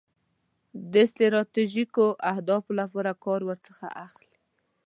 د ستراتیژیکو اهدافو لپاره کار ورڅخه اخلي.